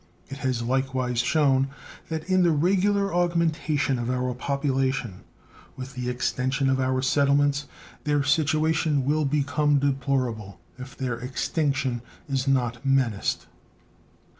It has likewise shown that in the regular augmentation of our population with the extension of our settlements their situation will become deplorable, if their extinction is not menaced.